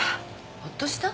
ほっとした？